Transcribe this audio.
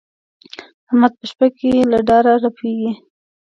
احمد په شپه کې له ډاره رپېږي.